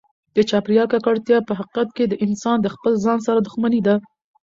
د چاپیریال ککړتیا په حقیقت کې د انسان د خپل ځان سره دښمني ده.